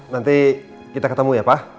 nanti kita ketemu ya pak